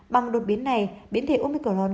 bằng đột biến này biến thể omicron